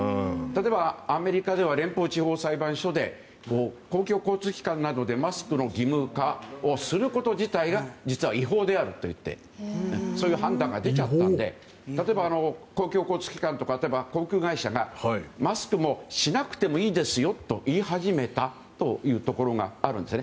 例えば、アメリカでは連邦地方裁判所で公共交通機関などでマスクの着用を義務化すること自体が実は違法であるといってそういう判断が出ちゃったので例えば、公共交通機関とか航空会社がマスクをしなくてもいいですと言い始めたというところがあるんです。